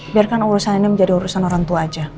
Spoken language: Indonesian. biarkan urusan ini menjadi urusan orang tua aja